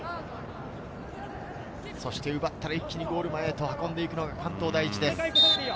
そして奪ったら一気にゴールまで運んでいくのが関東第一です。